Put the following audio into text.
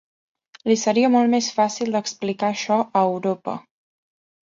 Li seria molt més fàcil d’explicar això a Europa.